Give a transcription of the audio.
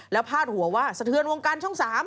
แล้วพาดหัวว่าสะเทือนวงการช่อง๓